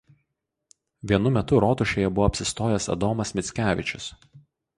Vienu metu rotušėje buvo apsistojęs Adomas Mickevičius.